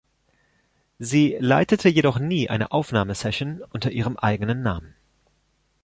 Sie leitete jedoch nie eine Aufnahmesession unter ihrem eigenen Namen.